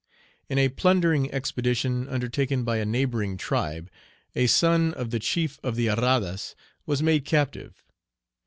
In a plundering expedition undertaken by a neighboring tribe, a son of the chief of the Arradas was made captive.